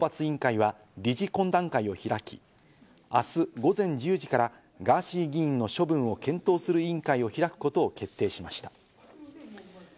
今日、参議院懲罰委員は理事懇談会を開き、明日午前１０時からガーシー議員の処分を検討する委員会を開くことを決定しました。